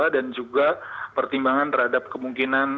dan juga pertimbangan terhadap kemungkinan